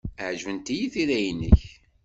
Ɛejbent-iyi tira-nnek.